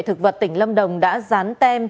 thực vật tỉnh lâm đồng đã dán tem